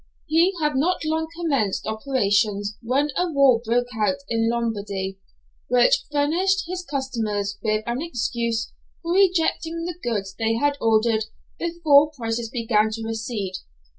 He had not long commenced operations when a war broke out in Lombardy, which furnished his customers with an excuse for rejecting the goods they had ordered before prices began to recede.